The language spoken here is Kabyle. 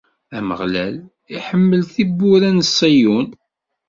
Ameɣlal iḥemmel tiwwura n Ṣiyun.